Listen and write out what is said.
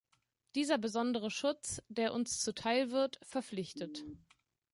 Dieser besondere Schutz, der uns zuteil wird, verpflichtet.